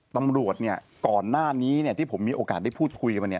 ตำรวจก่อนหน้านี้ที่ผมมีโอกาสได้พูดคุยมา